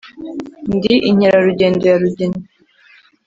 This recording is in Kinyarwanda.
Ndi Inkerarugendo ya Rugina